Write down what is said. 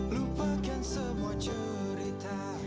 tapi kenapa lu malah bilang